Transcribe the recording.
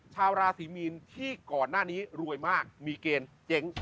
ชาวราศีมีนที่ก่อนหน้านี้รวยมากมีเกณฑ์เจ๊ง